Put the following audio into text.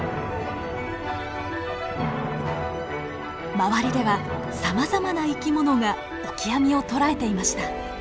周りではさまざまな生き物がオキアミを捕らえていました。